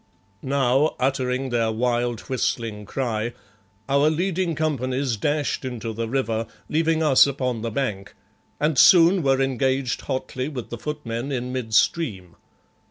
Now, uttering their wild, whistling cry, our leading companies dashed into the river, leaving us upon the bank, and soon were engaged hotly with the footmen in midstream.